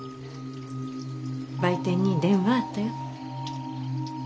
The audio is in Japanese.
売店に電話あったよ。